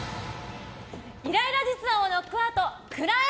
イライラ実話をノックアウトくらえ！